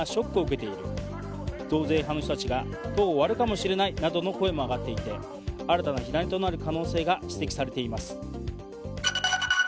増税派の人たちが党を割るかもしれないなどの声も上がっていて新たな火種となる可能性が指摘されています。